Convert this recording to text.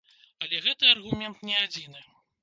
Але гэты аргумент не адзіны.